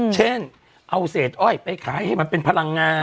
เช่นเอาเศษอ้อยไปขายให้มันเป็นพลังงาน